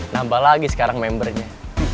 nambah lagi sekarang membernya